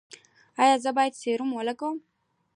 ایا زه باید سیروم ولګوم؟